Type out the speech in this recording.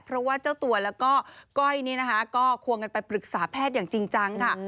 เพราะว่าเจ้าตัวแล้วก็ก้อยนี่นะคะก็ควงกันไปปรึกษาแพทย์อย่างจริงจังค่ะ